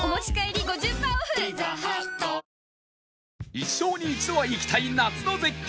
一生に一度は行きたい夏の絶景